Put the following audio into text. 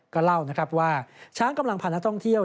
ก็เล่าว่าช้างกำลังผ่านนักท่องเที่ยว